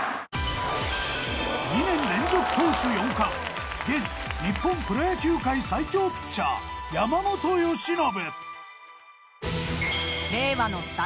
２年連続投手四冠現日本プロ野球界最強ピッチャー山本由伸。